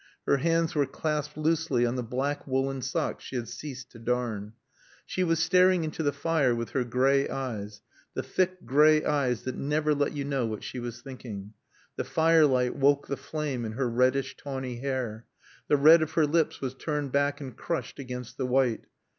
Her hands were clasped loosely on the black woolen socks she had ceased to darn. She was staring into the fire with her gray eyes, the thick gray eyes that never let you know what she was thinking. The firelight woke the flame in her reddish tawny hair. The red of her lips was turned back and crushed against the white.